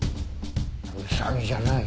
ウサギじゃない？